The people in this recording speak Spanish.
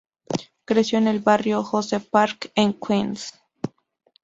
Creció en el barrio Ozone Park, en Queens.